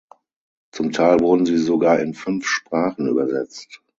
Zum Teil wurden sie sogar in fünf Sprachen übersetzt.